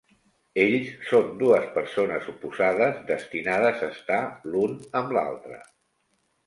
Ells són dues persones oposades destinades a estar l'un amb l'altre.